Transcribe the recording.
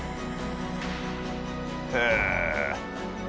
へえ。